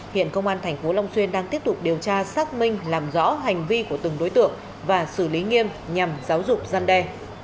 hiện công an thành phố long xuyên đang tiếp tục điều tra xác minh làm rõ hành vi của từng đối tượng và xử lý nghiêm nhằm giáo dụng gian đề